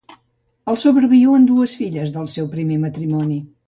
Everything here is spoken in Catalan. El sobreviuen dues filles del seu primer matrimoni.